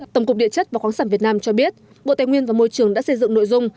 tổng cục địa chất và khoáng sản việt nam cho biết bộ tài nguyên và môi trường đã xây dựng nội dung